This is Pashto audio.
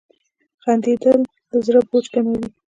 • خندېدل د زړه بوج کموي.